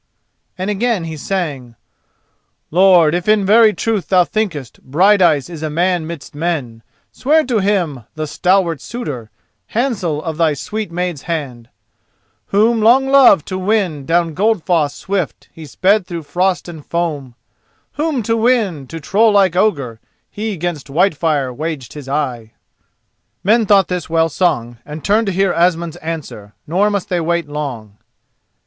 And again he sang: "Lord, if in very truth thou thinkest Brighteyes is a man midst men, Swear to him, the stalwart suitor, Handsel of thy sweet maid's hand: Whom, long loved, to win, down Goldfoss Swift he sped through frost and foam; Whom, to win, to troll like Ogre, He, 'gainst Whitefire, waged his eye." Men thought this well sung, and turned to hear Asmund's answer, nor must they wait long.